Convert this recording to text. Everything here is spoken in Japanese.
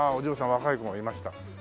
若い子がいました。